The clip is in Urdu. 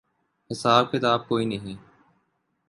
حساب کتاب کوئی نہیں۔